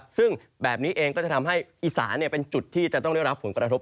ซึ่งแบบนี้เองก็จะทำให้อีสานเป็นจุดที่จะต้องได้รับผลกระทบ